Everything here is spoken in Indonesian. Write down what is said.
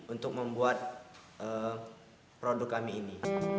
untuk membuat produk kami ini